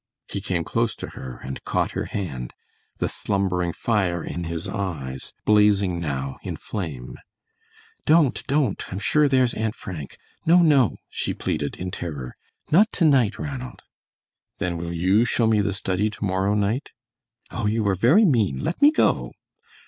He came close to her and caught her hand, the slumbering fire in his eyes blazing now in flame. "Don't, don't, I'm sure there's Aunt Frank. No, no," she pleaded, in terror, "not to night, Ranald!" "Then will you show me the study to morrow night?" "Oh, you are very mean. Let me go!"